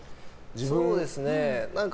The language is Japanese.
そうですね。